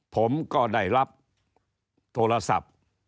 ผมก็ได้รับโทรศัพท์